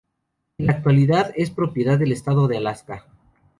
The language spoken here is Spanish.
En la actualidad es propiedad del Estado de Alaska.